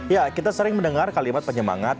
ya kita sering mendengar kalimat penyemangat